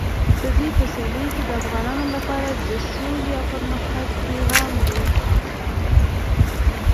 د دوی په سیالیو کې د افغانانو لپاره د سولې او پرمختګ پیغام دی.